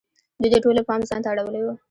دوی د ټولو پام ځان ته اړولی وو.